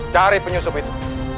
cari penyusup itu